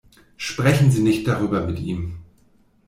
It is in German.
Sprechen Sie nicht darüber mit ihm.